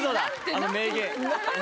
あの名言。